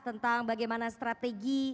tentang bagaimana strategi